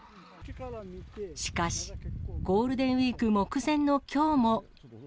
しかし、ゴールデンウィーク目前のきょうも。